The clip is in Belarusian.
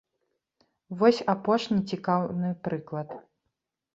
Вось апошні цікаўны прыклад.